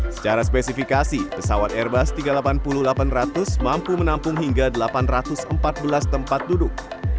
secara spesifikasi pesawat airbus tiga ratus delapan puluh delapan ratus mampu menampung hingga delapan ratus empat belas tempat duduk